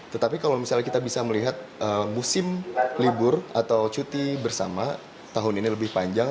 tetapi kalau misalnya kita bisa melihat musim libur atau cuti bersama tahun ini lebih panjang